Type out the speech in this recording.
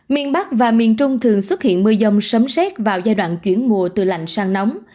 miền bắc và miền trung thường xuất hiện mưa dông sấm xét vào giai đoạn chuyển mùa từ lạnh sang nóng